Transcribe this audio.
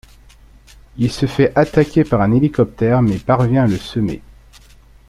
Il se fait attaquer par un hélicoptère mais parvient à le semer.